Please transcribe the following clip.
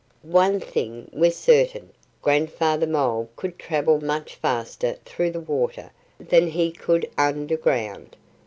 One thing was certain: Grandfather Mole could travel much faster through the water than he could underground.